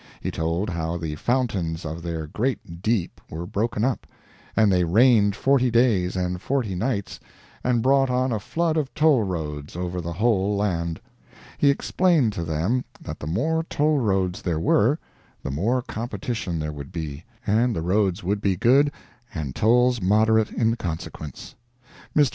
He told how the fountains of their great deep were broken up, and they rained forty days and forty nights, and brought on a flood of toll roads over the whole land. He explained to them that the more toll roads there were, the more competition there would be, and the roads would be good, and tolls moderate in consequence. Mr.